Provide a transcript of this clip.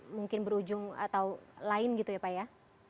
mungkin berujung atau lain gitu ya pak ya